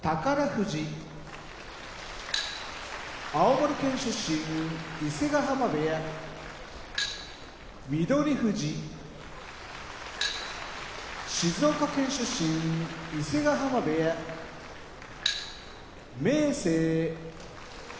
富士青森県出身伊勢ヶ濱部屋翠富士静岡県出身伊勢ヶ濱部屋明生